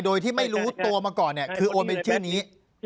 โดยที่ไม่รู้ตัวมาก่อนคือโอนไปชื่อนี้